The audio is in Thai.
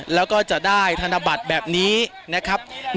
แล้วก็จะได้ธนบัตรแบบนี้นะครับ